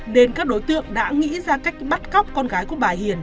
nên các đối tượng đã nghĩ ra cách bắt cóc con gái của bà hiền